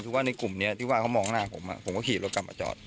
คือว่าในกลุ่มนี้ที่ว่าเขามองหน้าผมผมก็ขี่รถกลับมาจอด